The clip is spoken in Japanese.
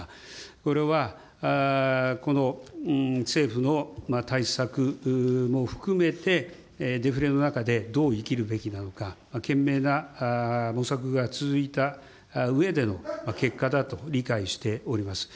これは、この政府の対策も含めて、デフレの中でどう生きるべきなのか、懸命な模索が続いたうえでの結果だと理解しております。